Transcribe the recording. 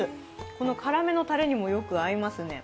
この辛めのたれにもよく合いますね。